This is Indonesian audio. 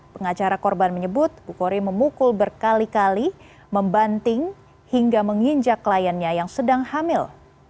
pengacara korban menyebut bukori memukul berkali kali membanting hingga menginjak kliennya yang sedang hamil